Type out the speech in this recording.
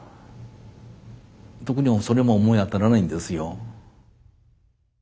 特にそれも思い当たらないんですよ。